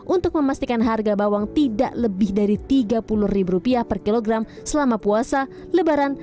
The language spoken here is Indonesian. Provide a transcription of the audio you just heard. untuk memastikan harga bawang tidak lebih dari rp tiga puluh per kilogram selama puasa lebaran